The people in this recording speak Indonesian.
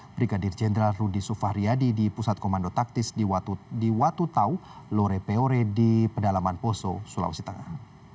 brigadir jenderal rudy sufahriyadi di pusat komando taktis di watu tau lore peore di pedalaman poso sulawesi tengah